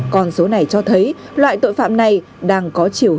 con số này cho thấy loại tội phạm này đang có chiều hướng